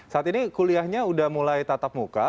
saat ini kuliahnya udah mulai tatap muka